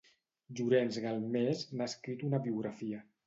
Llorenç Galmés n'ha escrit una biografia.